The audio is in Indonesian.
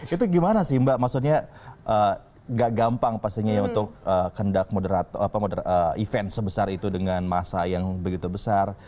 itu gimana sih mbak maksudnya gak gampang pastinya ya untuk kendak event sebesar itu dengan masa yang begitu besar